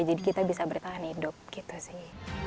jadi kita bisa bertahan hidup gitu sih